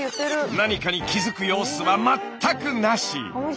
何かに気付く様子は全くなし！